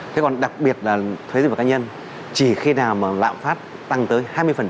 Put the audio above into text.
thế còn đặc biệt là thuế dịch vụ cá nhân chỉ khi nào mà lạm phát tăng tới hai mươi